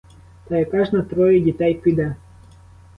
Та яка ж на троє дітей піде?